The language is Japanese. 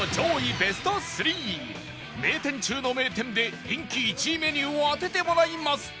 ベスト３名店中の名店で人気１位メニューを当ててもらいます